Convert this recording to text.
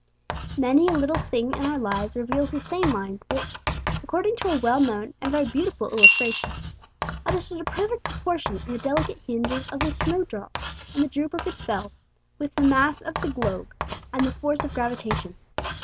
Many a little thing in our lives reveals the same Mind which, according to a well known and very beautiful illustration, adjusted a perfect proportion in the delicate hinges of the snowdrop and the droop of its bell, with the mass of the globe and the force of gravitation.